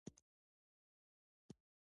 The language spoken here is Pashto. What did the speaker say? وايې خر ځنګل ته تللى وو نارې یې کړې چې اس خورم،